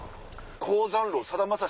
江山楼さだまさし